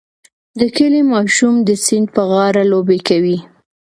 د کلي ماشوم د سیند په غاړه لوبې کوي.